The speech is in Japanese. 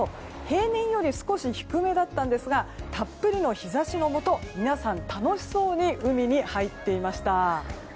平年より少し低めだったんですがたっぷりの日差しのもと皆さん、楽しそうに海に入っていました。